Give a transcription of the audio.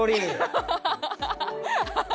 ハハハハハ！